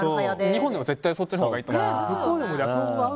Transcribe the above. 日本では絶対そっちのほうがいいと思います。